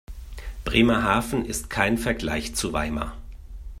Bremerhaven ist kein Vergleich zu Weimar